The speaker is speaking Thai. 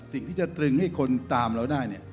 สิ่งที่จะดึงให้คนตามเราได้